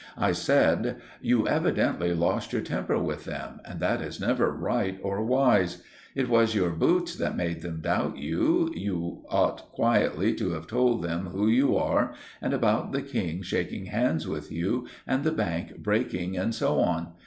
I said— "You evidently lost your temper with them, and that is never right or wise. It was your boots that made them doubt you. You ought quietly to have told them who you are, and about the King shaking hands with you, and the bank breaking, and so on.